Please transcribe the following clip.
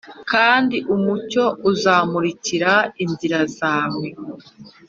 Kandi umucyo uzamurikira inzira zawe